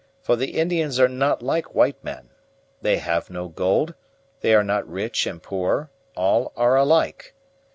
For the Indians are not like white men: they have no gold; they are not rich and poor; all are alike.